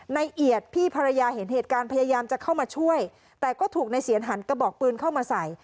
เอียดพี่ภรรยาเห็นเหตุการณ์พยายามจะเข้ามาช่วยแต่ก็ถูกในเสียนหันกระบอกปืนเข้ามาใส่